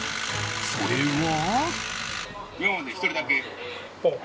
それは。